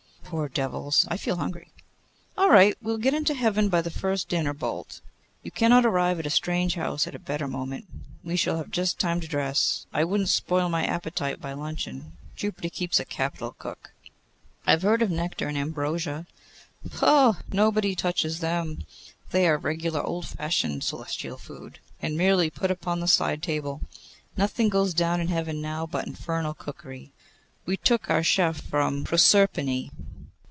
'Poor devils! I feel hungry.' 'All right. We shall get into Heaven by the first dinner bolt. You cannot arrive at a strange house at a better moment. We shall just have time to dress. I would not spoil my appetite by luncheon. Jupiter keeps a capital cook.' 'I have heard of Nectar and Ambrosia.' 'Poh! nobody touches them. They are regular old fashioned celestial food, and merely put upon the side table. Nothing goes down in Heaven now but infernal cookery. We took our chef from Proserpine.